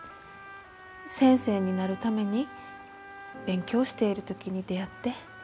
先生になるために勉強している時に出会って。